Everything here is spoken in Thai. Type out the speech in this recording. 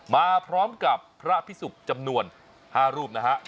มาพร้อมกับพระพิสุกจำนวน๕รูปนะฮะ